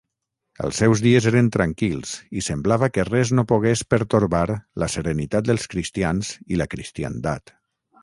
Els seus dies eren tranquils i semblava que res no pogués pertorbar la serenitat dels cristians i la cristiandat.